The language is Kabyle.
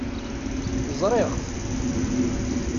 Rẓiɣ-t.